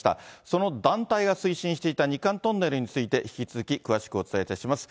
その団体が推進していた日韓トンネルについて、引き続き詳しくお伝えいたします。